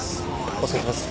お疲れさまです。